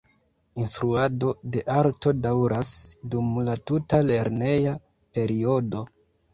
Instruado de arto daŭras dum la tuta lerneja periodo.